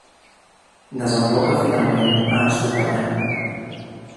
Desemboca finalment a Estopanyà.